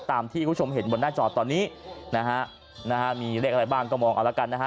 ตามที่คุณผู้ชมเห็นบนหน้าจอตอนนี้นะฮะนะฮะมีเลขอะไรบ้างก็มองเอาละกันนะฮะ